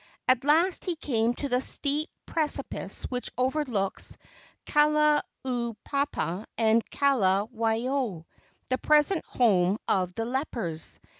At last he came to the steep precipice which overlooks Kalaupapa and Kalawao, the present home of the lepers.